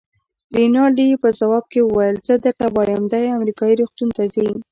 رینالډي یې په ځواب کې وویل: زه درته وایم، دی امریکایي روغتون ته ځي.